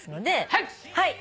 はい。